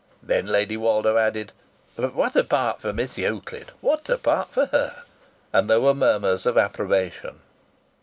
Then Lady Woldo added: "But what a part for Miss Euclid! What a part for her!" And there were murmurs of approbation.